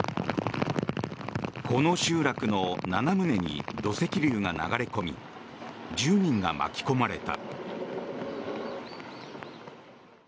この集落の７棟に土石流が流れ込み１０人が巻き込まれた。